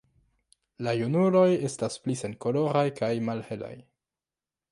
La junuloj estas pli senkoloraj kaj malhelaj.